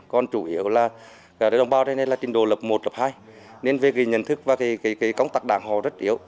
còn chủ yếu là đồng bào đây là trình độ lập một lập hai nên về cái nhận thức và cái công tắc đảng họ rất yếu